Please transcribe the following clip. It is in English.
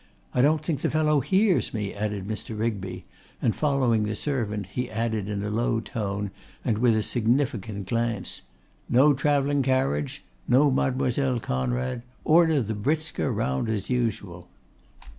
I don't think the fellow hears me,' added Mr. Rigby, and following the servant, he added in a low tone and with a significant glance, 'no travelling carriage; no Mademoiselle Conrad; order the britska round as usual.